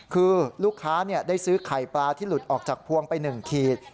คือลูกค้าได้ซื้อไข่ปลาที่หลุดออกจากพวงไป๑ขีด